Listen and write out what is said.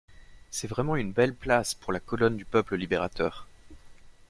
C'est vraiment une belle place pour la colonne du peuple libérateur!